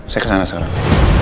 saya kesana sekarang